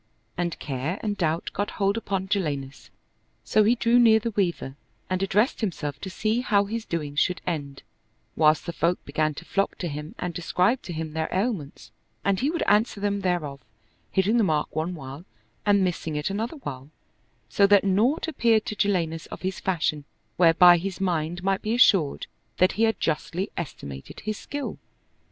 And care and doubt got hold upon Jalinus : so he drew near the Weaver and addressed himself to see how his doings should end, whilst the folk began to flock to him and describe to him their ailments, and he would answer them thereof, hitting the mark one while and missing it another while, so that naught appeared to Jalinus of his fashion whereby his mind might be assured that he had justly estimated his skill.